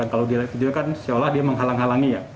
kalau dia lihat video kan seolah dia menghalang halangi ya